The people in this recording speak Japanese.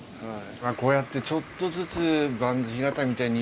こうやってちょっとずつ。